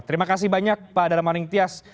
terima kasih banyak pak adama ringtyas